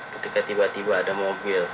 ketika tiba tiba ada mobil